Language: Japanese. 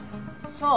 そう。